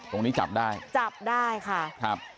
ตรงนี้จับได้ค่ะครับตรงนี้จับได้